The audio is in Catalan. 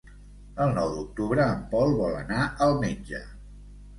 El nou d'octubre en Pol vol anar al metge.